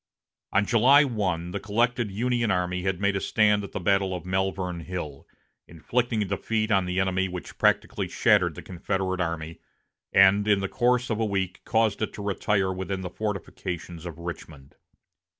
On July 1, the collected Union army made a stand at the battle of Malvern Hill, inflicting a defeat on the enemy which practically shattered the Confederate army, and in the course of a week caused it to retire within the fortifications of Richmond.